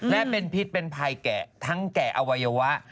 และเป็นพิษเป็นภัยแก่ทั้งแก่อวัยวะ